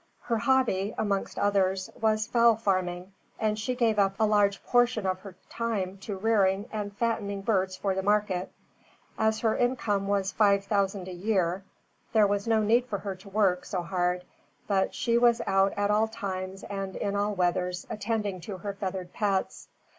Her hobby amongst others was fowl farming, and she gave up a large portion of her time to rearing and fattening birds for the market. As her income was five thousand a year there was no need for her to work so hard, but she was out at all times and in all weathers attending to her feathered pets.